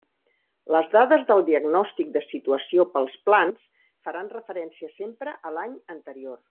Les dades del diagnòstic de situació pels plans faran referència sempre a l'any anterior.